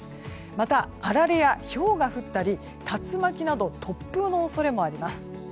また、あられやひょうが降ったり竜巻など突風の恐れもあります。